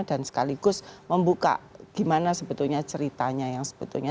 dan sekaligus membuka gimana sebetulnya ceritanya yang sebetulnya